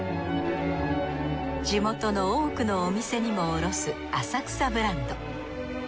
地元の多くのお店にもおろす浅草ブランド。